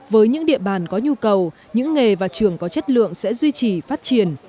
với những địa bàn có nhu cầu những nghề và trường có chất lượng sẽ duy trì phát triển